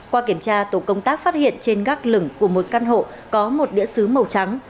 qua kiểm tra tổ công tác phát hiện trên gác lửng của một căn hộ có một đĩa xứ màu trắng